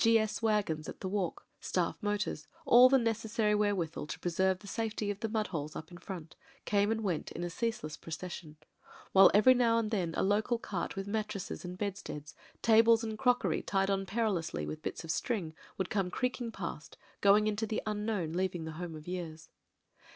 G.S. wagons at the walk, staff motors — all the necessary wherewithal to preserve the safety of the mud holes up in front — came and went in a ceaseless procession ; while every now and then a local cart with mattresses and bedsteads, tables and crock ery, tied on perilously with bits of string, would come creaking past — going into the unknown, leaving the home of years.